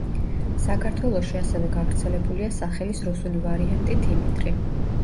საქართველოში ასევე გავრცელებულია სახელის რუსული ვარიანტი დიმიტრი.